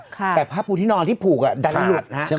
ตั้งแต่ผ้าพูดที่นอนที่ผูกอะได้หลุดขาดใช่หลุดหลุดขาดใช่ไหม